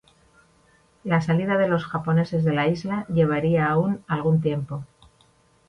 La salida de los japoneses de la isla llevaría aún algún tiempo.